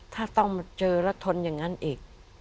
ถ้าต้องมาเจอแล้วทนอย่างนั้นอีก